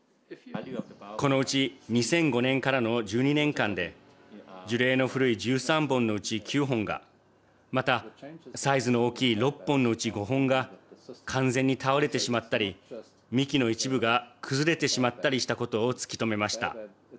このうち２００５年からの１２年間で樹齢の古い１３本のうち９本がまたサイズの大きい６本のうち５本が、完全に倒れてしまったり幹の一部が崩れてしまったりしたことを突き止めました。